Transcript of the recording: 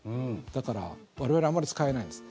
だから、我々はあまり使えないんです。